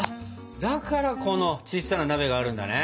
だからこのちっさな鍋があるんだね。